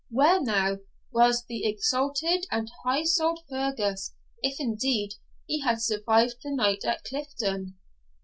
Where, now, was the exalted and high souled Fergus, if, indeed, he had survived the night at Clifton?